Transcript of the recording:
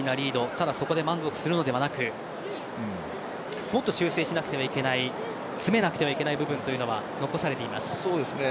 ただ、そこで満足するのではなくもっと修正しなくてはいけない詰めなくてはいけない部分というのは残されています。